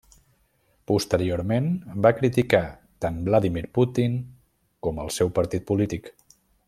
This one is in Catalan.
Posteriorment va criticar tant Vladímir Putin com el seu partit polític.